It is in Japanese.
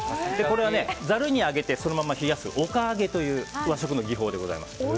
これはざるにあげてそのまま冷やすおかあげという和食の技法です。